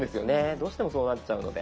どうしてもそうなっちゃうので。